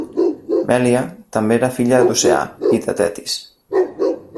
Mèlia també era filla d'Oceà i de Tetis.